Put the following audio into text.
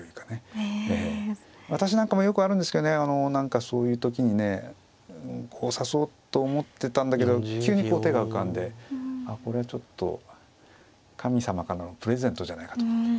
私なんかもよくあるんですけどね何かそういう時にねこう指そうと思ってたんだけど急にこう手が浮かんであっこれはちょっと神様からのプレゼントじゃないかと思って。